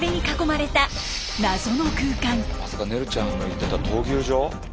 まさかねるちゃんが言ってた闘牛場？